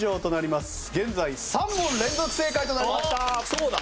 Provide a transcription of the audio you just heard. そうだ。